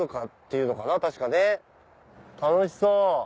楽しそう。